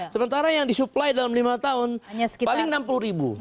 sementara yang disupply dalam lima tahun paling rp enam puluh